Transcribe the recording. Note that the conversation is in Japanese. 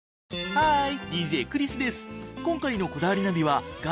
ハーイ！